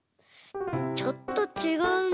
ちょっとちがうな。